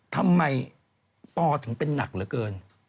ทำไมปอถึงเป็นหนักเหลือเกิน